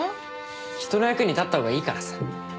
人の役に立った方がいいからさ。